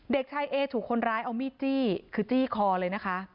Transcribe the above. เด็กชายเอถูกคนร้ายเอามีดจี้คือจี้คอเลยนะคะ